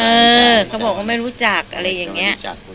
เขาบอกว่าไม่รู้จักอะไรอย่างนี้